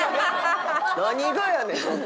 何がやねん。